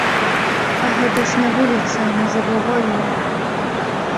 А гэта ж не вуліца, не завуголле.